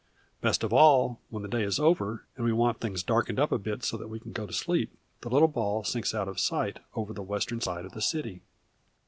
Best of all, when the day is over, and we want things darkened up a bit so that we can go to sleep, the little ball sinks out of sight over on the western side of the city."